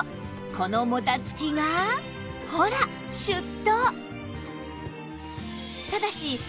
このもたつきがほらシュッと！